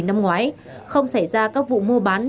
năm ngoái không xảy ra các vụ mua bán